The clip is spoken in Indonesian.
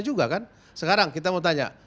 juga kan sekarang kita mau tanya